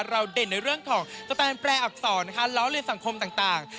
เด่นในเรื่องของสแตนแปรอักษรนะคะล้อเลียนสังคมต่าง